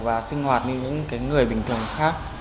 và sinh hoạt như những người bình thường khác